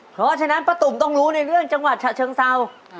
เพราะฉะนั้นป้าตุ๋มต้องรู้ในเรื่องจังหวัดฉะเชิงเศร้า